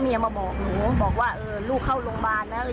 มาบอกหนูบอกว่าเออลูกเข้าโรงพยาบาลนะ